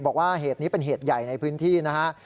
บอกว่าเหตุนี้เป็นเหตุใหญ่ในพื้นที่นะฮะ